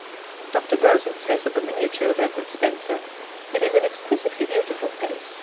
Dr. Grosart says of a miniature of Edmund Spenser, 'It is an exquisitely beautiful face.